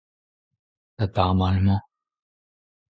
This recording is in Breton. da damall emañ.